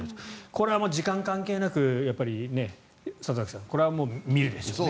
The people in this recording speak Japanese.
これは時間関係なく里崎さん、見るでしょうね。